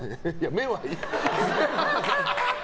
目はいい。